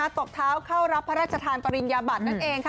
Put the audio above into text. ตกเท้าเข้ารับพระราชธานปริญญาบัฏนั้นเอง